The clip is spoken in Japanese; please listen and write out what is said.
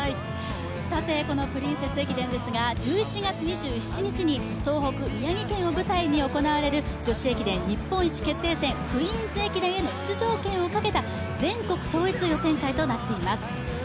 さてこのプリンセス駅伝ですが１１月２７日に東北・宮城県を舞台に行われる女子駅伝日本一決定戦、クイーンズ駅伝への出場権をかけた全国統一予選会となっています。